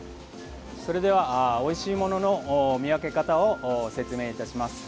それでは、おいしいものの見分け方を説明いたします。